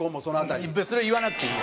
別にそれは言わなくていいよ。